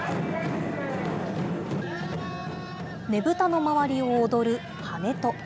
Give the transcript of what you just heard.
ねぶたの周りを踊るハネト。